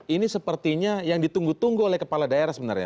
ini sepertinya yang ditunggu tunggu oleh kepala daerah sebenarnya